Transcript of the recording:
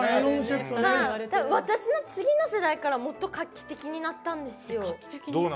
私の次の世代からもっと画期的になったんですよ。